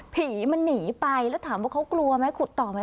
ผีมันหนีไปแล้วถามว่าเขากลัวไหมขุดต่อไหม